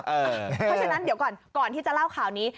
เพราะฉะนั้นเดี๋ยวก่อนที่จะเล่าข่าวนี้